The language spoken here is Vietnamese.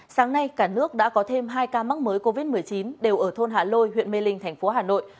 sáng nay cả nước đã có thêm hai ca mắc mới covid một mươi chín đều ở thôn hạ lôi huyện mê linh thành phố hà nội